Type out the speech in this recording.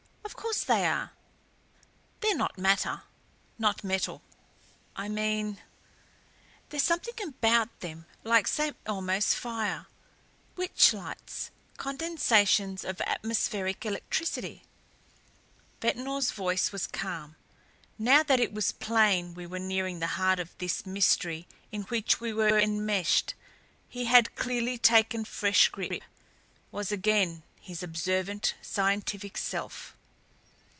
"Of course they are. They're not matter not metal, I mean " "There's something about them like St. Elmo's fire, witch lights condensations of atmospheric electricity," Ventnor's voice was calm; now that it was plain we were nearing the heart of this mystery in which we were enmeshed he had clearly taken fresh grip, was again his observant, scientific self.